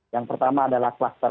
yang pertama adalah klaster